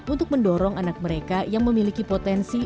untuk mendorong anak mereka yang memiliki potensi